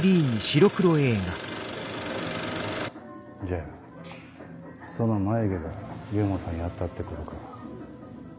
じゃあその眉毛が龍門さんをやったってことか？